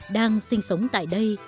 đang sinh sống tại đây